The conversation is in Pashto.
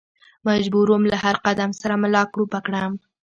مجبور ووم له هر قدم سره ملا کړوپه کړم.